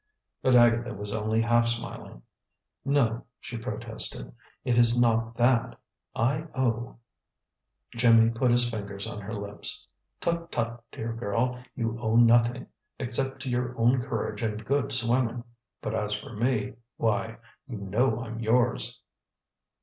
But Agatha was only half smiling. "No," she protested, "it is not that. I owe " Jim put his fingers on her lips. "Tut, tut! Dear girl, you owe nothing, except to your own courage and good swimming. But as for me, why, you know I'm yours."